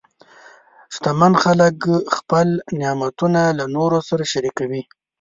شتمن خلک خپل نعمتونه له نورو سره شریکوي.